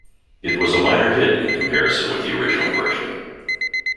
It was a minor hit in comparison with the original version.